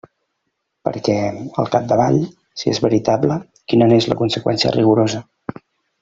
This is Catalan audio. Perquè, al capdavall, si és veritable, ¿quina n'és la conseqüència rigorosa?